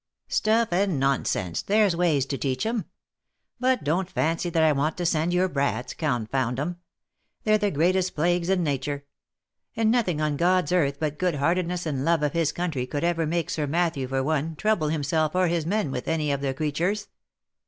" Stuff and nonsense ! there's ways to teach 'em. But don't fancy that I want you to send your brats — confound 'em ! They're the greatest plagues in natur ; and nothing on God's earth but good heartedness and love of his country would ever make Sir Matthew, for one, trouble himself or his men with any of the creturs.